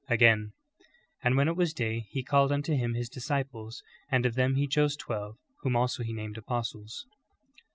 "^ Again: "And when it was day, he called unto him his disciples : and of them he chose twelve vvhom also he named apostles."